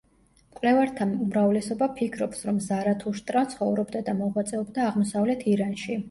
მკვლევართა უმრავლესობა ფიქრობს, რომ ზარათუშტრა ცხოვრობდა და მოღვაწეობდა აღმოსავლეთ ირანში.